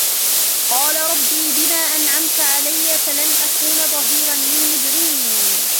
قَالَ رَبِّ بِمَا أَنْعَمْتَ عَلَيَّ فَلَنْ أَكُونَ ظَهِيرًا لِلْمُجْرِمِينَ